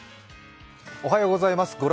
おはようございます